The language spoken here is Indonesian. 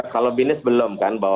kalau minus belum kan